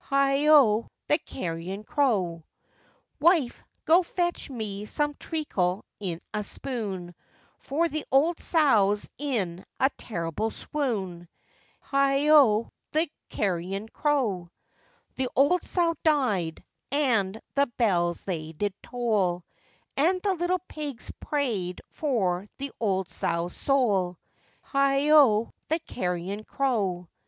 Heigho! the carrion crow. 'Wife, go fetch me some treacle in a spoon, For the old sow's in a terrible swoon!' Heigho! the carrion crow. The old sow died, and the bells they did toll, And the little pigs prayed for the old sow's soul! Heigho! the carrion crow.